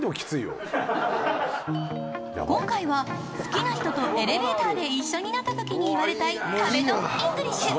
今回は好きな人とエレベーターで一緒になった時に言われたい壁ドンＥＮＧＬＩＳＨ。